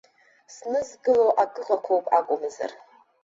Снызкыло акы ыҟақәоуп акәымзар.